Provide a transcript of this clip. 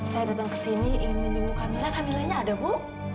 saya datang ke sini ingin menjemput camilla camillanya ada bu